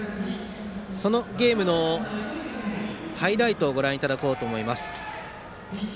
そのゲームのハイライトをご覧いただきます。